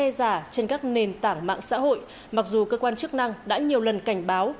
tin giả trên các nền tảng mạng xã hội mặc dù cơ quan chức năng đã nhiều lần cảnh báo